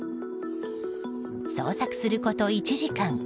捜索すること１時間。